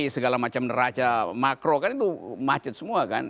segala macam neraca makro kan itu macet semua kan